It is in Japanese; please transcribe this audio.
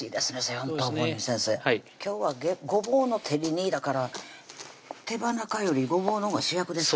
４等分に先生はい今日は「ごぼうの照り煮」だから手羽中よりごぼうが主役ですか？